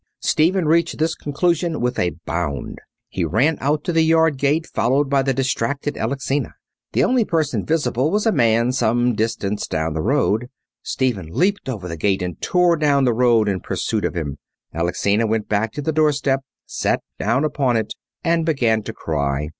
Stephen reached this conclusion with a bound. He ran out to the yard gate followed by the distracted Alexina. The only person visible was a man some distance down the road. Stephen leaped over the gate and tore down the road in pursuit of him. Alexina went back to the doorstep, sat down upon it, and began to cry.